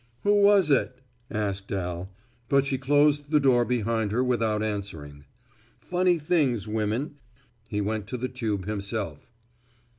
"Who was it!" asked Al, but she closed the door behind her without answering. Funny things, women. He went to the tube himself.